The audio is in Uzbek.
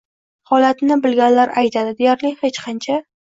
Holatni bilganlar aytadi — deyarli hech qancha.